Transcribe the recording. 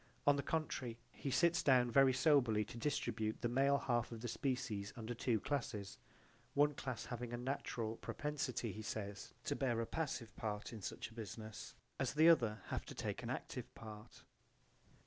On the contrary he sits down very soberly to distribute the male half of the species under two classes: one class having a natural propensity, he says, to bear a passive part in such a business, as the other have to take an active part.